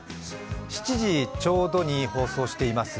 ７時ちょうどに放送しています